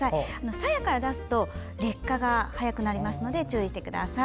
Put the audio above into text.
さやから出すと劣化しやすいので注意してください。